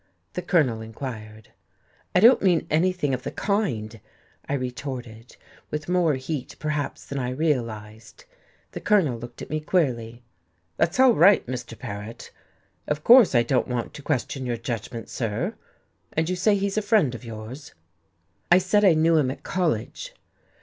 the Colonel inquired. "I don't mean anything of the kind," I retorted, with more heat, perhaps, than I realized. The Colonel looked at me queerly. "That's all right, Mr. Paret. Of course I don't want to question your judgment, sir. And you say he's a friend of yours." "I said I knew him at college."